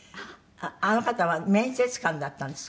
あの方は面接官だったんですか？